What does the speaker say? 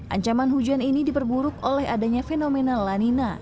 ancaman hujan ini diperburuk oleh adanya fenomena lanina